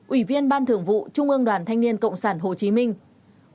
ủy viên ban thưởng vụ trung ương đoàn thanh niên cộng sản hồ chí minh